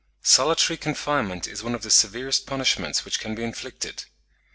Solitary confinement is one of the severest punishments which can be inflicted.